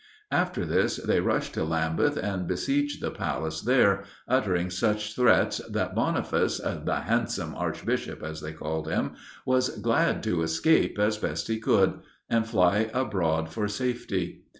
After this they rushed to Lambeth, and besieged the Palace there, uttering such threats that Boniface, the 'Handsome Archbishop', as they called him, was glad to escape as best he could, and fly abroad for safety.